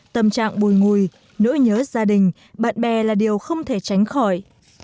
tâm trạng bùi ngùi nỗi nhớ gia đình bạn bè là điều không thể tránh khỏi